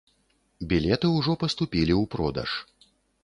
Білеты ўжо паступілі ў продаж.